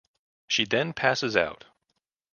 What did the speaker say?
She then passes out.